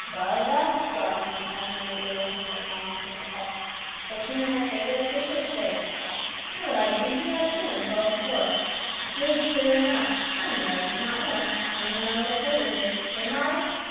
" By Bacchus !" growled one of them as the} made their way homeward long after nightfall. " Fortuna hath favored us richly to day ; now that I bethink me, I have seen those fellows before ; Jews clearly enough — cunning rogues, but not more cunning than our little treasure here, hey, Mara?"